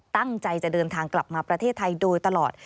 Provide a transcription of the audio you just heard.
ตั้งใจจะเดินทางกลับมาประเทศไทยโดยตลอด